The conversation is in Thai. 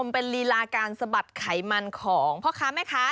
เป็นลีลาการสะบัดไขมันของพ่อค้าแม่ค้า